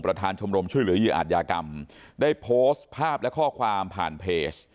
ชมรมช่วยเหลือเหยื่ออาจยากรรมได้โพสต์ภาพและข้อความผ่านเพจ